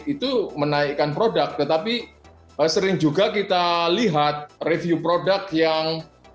itu menaikkan produk tetapi sering juga kita lihat review produk yang